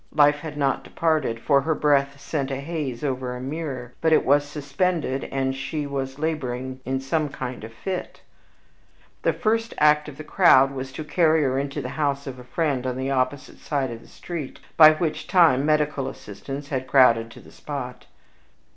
Life had not departed, for her breath sent a haze over a mirror, but it was suspended, and she was laboring in some kind of fit. The first act of the crowd was to carry her into the house of a friend on the opposite side of the street, by which time medical assistance had crowded to the spot.